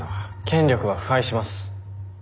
権力は腐敗します。